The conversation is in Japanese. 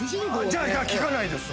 じゃあ聞かないです。